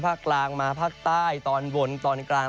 กลางมาภาคใต้ตอนบนตอนกลาง